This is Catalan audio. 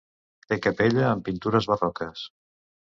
Té capella amb pintures barroques.